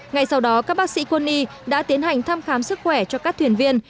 ngay sau đó các bác sĩ quân y đã tiến hành thăm khám sức khỏe cho các thuyền viên